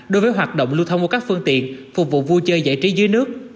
đối với hoạt động lưu thông qua các phương tiện phục vụ vui chơi giải trí dưới nước